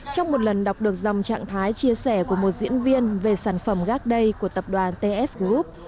trong một lần đọc được dòng trạng thái chia sẻ của một diễn viên về sản phẩm gácday của tập đoàn ts group